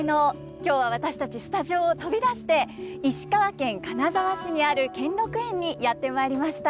今日は私たちスタジオを飛び出して石川県金沢市にある兼六園にやって参りました。